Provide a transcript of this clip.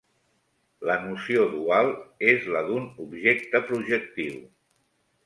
La noció dual és la d'un objecte projectiu.